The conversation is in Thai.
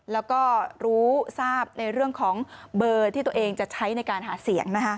แล้วก็รู้ทราบในเรื่องของเบอร์ที่ตัวเองจะใช้ในการหาเสียง